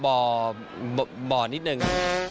บ่อนิดนึง